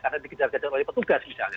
karena dikejar kejar oleh petugas misalnya